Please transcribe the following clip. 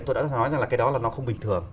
tôi đã nói rằng là cái đó là nó không bình thường